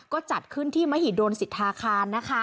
ก็จัดขึ้นที่มหิดลสิทธาคารนะคะ